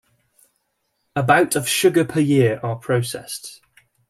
About of sugar per year are processed.